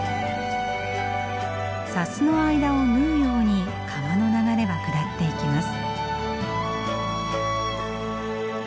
砂州の間を縫うように川の流れは下っていきます。